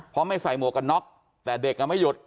เพราะไม่ใส่หมวกกันน็อกแต่เด็กไม่หยุด